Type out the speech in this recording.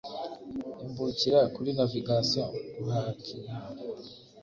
imbukira kuri navigation guhakiha